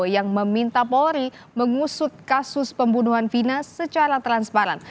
yang meminta polri mengusut kasus pembunuhan fina secara transparan